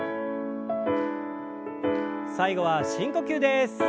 最後は深呼吸です。